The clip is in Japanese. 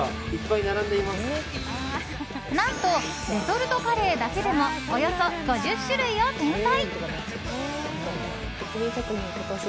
何とレトルトカレーだけでもおよそ５０種類を展開。